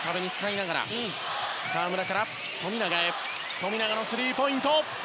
富永のスリーポイント。